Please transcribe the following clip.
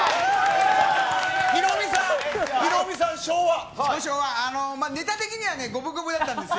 ヒロミさん、ヒロミさん、ネタ的にはね、五分五分だったんですよ。